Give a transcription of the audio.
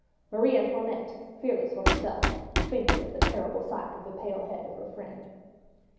Marie Antoinette, fearless for herself, fainted at the terrible sight of the pale head of her friend.